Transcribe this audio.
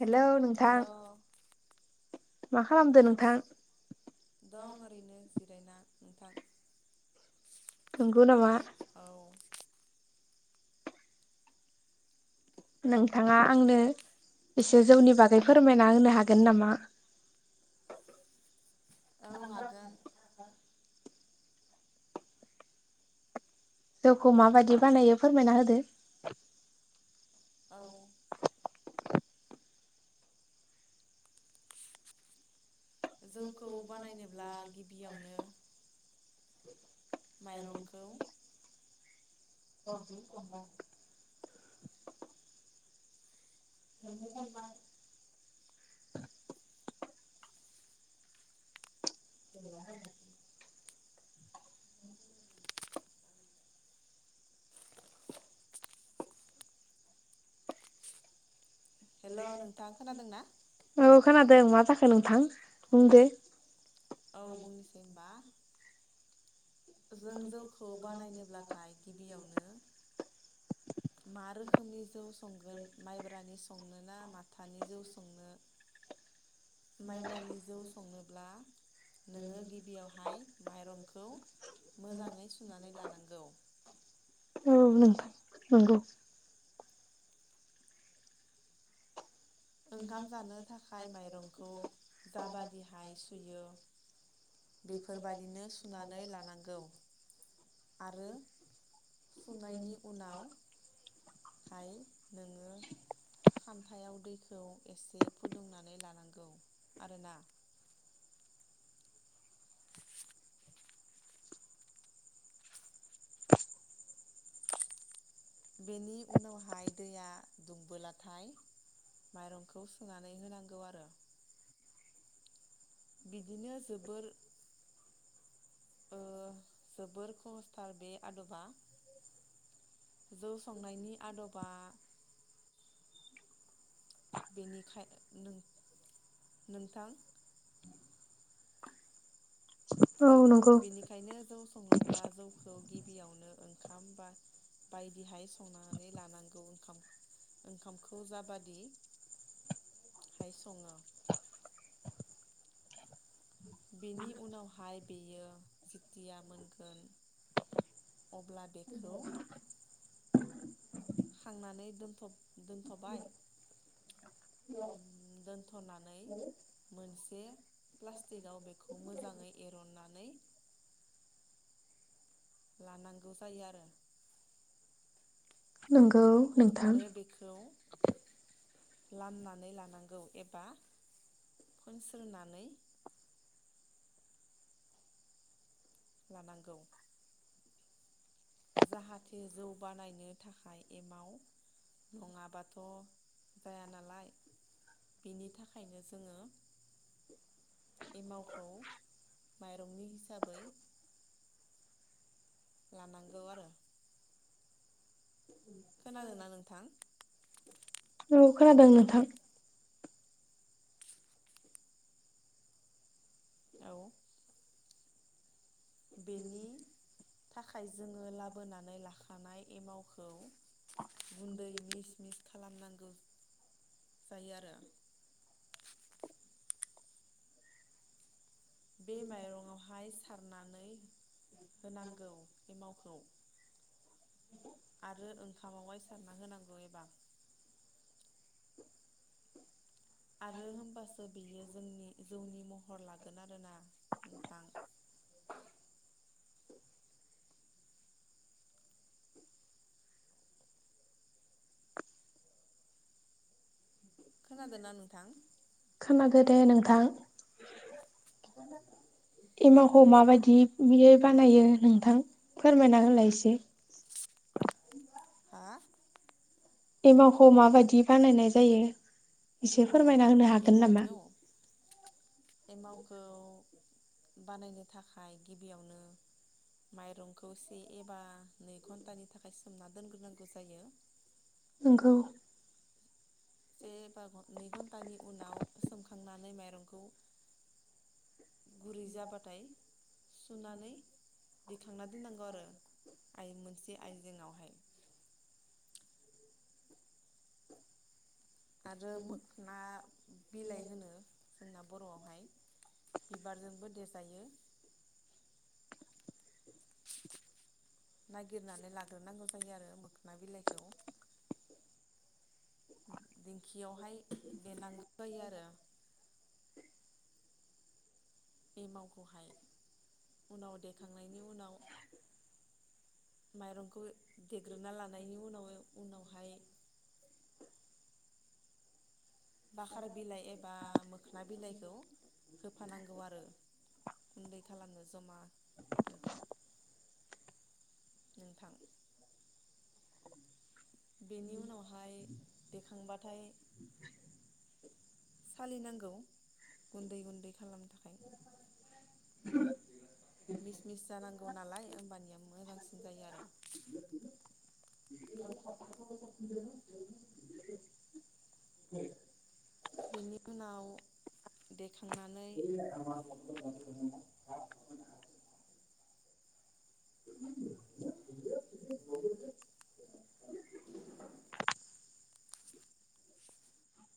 [inaudible] Hello hello नोंथां। मा खालामदो नोंथां? दं ओरैनो जिरायना। नोंथां। थोगौ नामा। औ नोंथाङा आंनो एसे जौनि बागै फोरमायना होनो हागोन नामा? औ हागोन [inaudible] जौखौ माबायदि बानायो फोरमायना होदो। [inaudible] औ जौखौ बानायनोब्ला गिबियावनो औ माइरंखौ औ औ [inaudible] [inaudible] [unintelligible] हेल' नोंथां खोनादोंना औ खोनादों मा जाखो नोंथां बुंदो। औ बुंनोसै होनबा। जों जौखौ बानायनोब्लाथाय गिबियावनो मा रोखोमनि जौ संगोन माइब्रानि संनो ना माथानि जौ संनो माइब्रानि जौ संनोब्ला नोङो गिबियावहाय माइरंखौ मोजाङै सुनानै लानांगौ। औ नोंथां नंगौ। ओंखाम जानो थाखाय माइरंखौ जाबादिहाय सुयो बेफोरबादिनो सुनानै लानांगौ आरो सुनायनि उनाव हाय नोङो खानथायाव दैखौ खौ एसे फुदुंनानै लानांगौ आरोना। बेनि उनावहाय दैया दुंबोलाथाय माइरंखौ सुनानै होनांगौ आरो। बिदिनो जोबोर। ओ जोबोर खहसथार बे आदबा जौ संनायनि आदबा। बेनिखाय नों नोंथां। औ नंगौ बेनिखायनो जौ सङोब्ला जौखौ गिब गिबियावनो ओंखाम बा- बायदिहाय संनानै लानांगौ ओंखा ओंखामखौ जाबादि हाय सङो। बेनि उनावहाय बेयो जितिया मोनगोन अब्ला बेखौ। खांनानै दोनथ' दोनथ'बाय दोनथ'नानै [inaudible] मोनसे प्लासटिक आव मोजाङै एरननानै। लानांगौ जायो आरो। नोंगौ। आरो बेखौ। लामनानै लानांगौ एबा फोनस्रोनानै लानांगौ। जाहाथे जौ बानायनो थाखाय एमाव नङाबाथ' जाया नालाय बिनि थाखायनो जोङो एमावखौ माइरंनि हिसाबै। लानांगौ आरो। खोनादों ना नोंथां? औ खोनादोंं नोंथां। औ बेनि थाखाय जोङो लाबोनानै लाखानाय एमावखौ गुन्दै मिस मिस खालामनांगौ जायो आरो। बे माइरंआवहाय सारनानै होनांगौ एमावखौ। आरो ओंखामावहाय सारना होनांगौ एबा आरो होमबासो बियो जोंनि जौनि महर लागोन आरोना नोंथां। खोनादोंना नोंथां? खोनादो दे नोंथां। एमावखौ माबायदि बियो बानायो नोंथां फोरमायना होलाय इसे। हा? एमावखौ माबायदि बानायनाय जायो? एसे औ फोरमायना होनो हागोन नामा? एमावखौ एमावखौ बानायनो थाखाय गिबियावनो माइरंखौ से एबा नै घन्टानि थाखाय सोमना दोनग्रोनांगौ जायो। नोंगौ। से बा नै घन्टानि उनाव सोमखांनानै माइरंखौ गुरै जाबाथाय सुनानै दिखांना दोननांगौ आरो आइ मोनसे आयजेंआवहाय। आरो मोखना बिलाइ होनो जोंना बर'आवहाय बिबारजोंबो देजायो। नागिरनानै लाग्रोनांगौ जायो आरो मोखोना बिलाइखौ दिंखियावहाय देनांगौ जायो आरो। बे एमावखौहाय उनाव देखांनायनि उनाव माइरंखौ देग्रोना लानायनि उनाव-उनावहाय। बाखार बिलाइ एबा मोखोना बिलाइखौ होफानांगौ आरो गुन्दै खालामनो जमा नोंथां। बेनि उनावहाय देखांबाथाय। सालिनांगौ गुन्दै गुन्दै खालामनो थाखाय मिस मिस जानांगौ नालाय होमबानिया मोजांसिन जायो आरो। [unintelligible] बेनि उनाव देखांनानै। [unintelligible] [inaudible]